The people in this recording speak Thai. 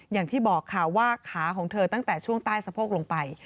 อย่างที่บอกค่ะว่าขาของเธอตั้งแต่ช่วงใต้สะโพกลงไป